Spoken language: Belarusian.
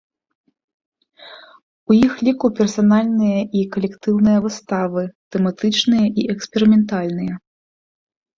У іх ліку персанальныя і калектыўныя выставы, тэматычныя і эксперыментальныя.